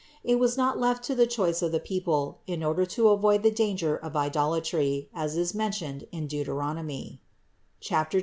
It was not left to the choice of the people, in order to avoid the danger of idolatry, as is mentioned in Deuteronomy (12, 6).